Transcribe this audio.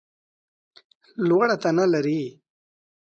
لوړه تنه لرې !